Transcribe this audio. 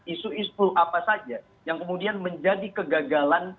isu isu apa saja yang kemudian menjadi kegagalan